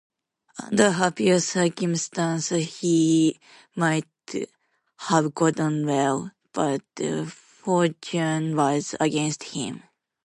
Under happier circumstances he might have got on well, but fortune was against him.